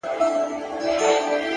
پوه انسان له حقیقت نه تښتي نه.!